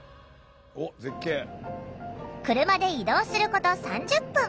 車で移動すること３０分。